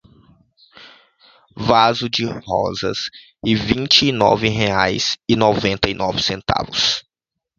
O vaso de rosas é vinte e nove reais e noventa e nove centavos.